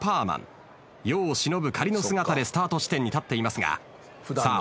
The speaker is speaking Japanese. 世を忍ぶ仮の姿でスタート地点に立っていますがさあ